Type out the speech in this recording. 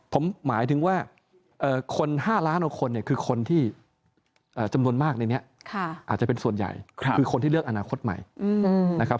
ผมหมายถึงว่าคน๕ล้านกว่าคนเนี่ยคือคนที่จำนวนมากในนี้อาจจะเป็นส่วนใหญ่คือคนที่เลือกอนาคตใหม่นะครับ